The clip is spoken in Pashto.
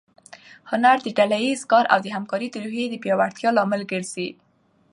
هنر د ډله ییز کار او د همکارۍ د روحیې د پیاوړتیا لامل ګرځي.